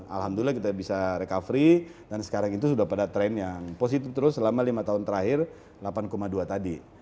alhamdulillah kita bisa recovery dan sekarang itu sudah pada tren yang positif terus selama lima tahun terakhir delapan dua tadi